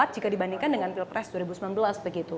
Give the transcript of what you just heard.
jika dibandingkan dengan pilpres dua ribu sembilan belas begitu